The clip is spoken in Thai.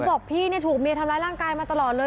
บอกพี่ถูกเมียทำร้ายร่างกายมาตลอดเลย